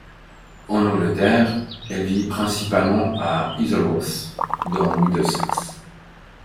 En Angleterre, elle vit principalement à Isleworth, dans le Middlesex.